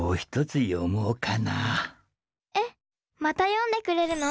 えっまた読んでくれるの？